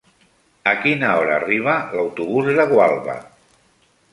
A quina hora arriba l'autobús de Gualba?